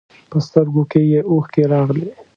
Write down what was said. په سترګو کې یې اوښکې راغلې.